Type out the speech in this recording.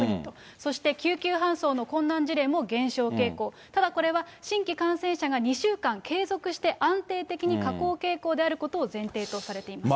そして救急搬送の困難事例も減少傾向、ただこれは、新規感染者が２週間継続して安定的に下降傾向であることを前提とされています。